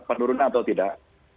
penurunan atau tidak